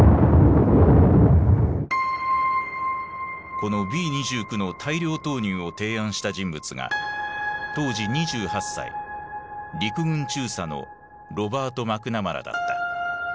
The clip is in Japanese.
このＢー２９の大量投入を提案した人物が当時２８歳陸軍中佐のロバート・マクナマラだった。